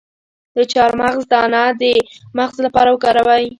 د چارمغز دانه د مغز لپاره وکاروئ